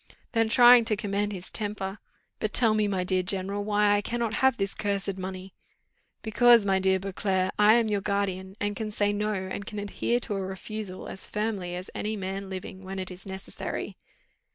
Then trying to command his temper, "But tell me, my dear general, why I cannot have this cursed money?" "Because, my dear Beauclerc, I am your guardian, and can say no, and can adhere to a refusal as firmly as any man living, when it is necessary."